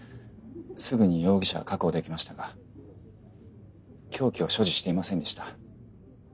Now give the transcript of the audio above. すぐに容疑者は確保できましたが凶器を所持していませんでした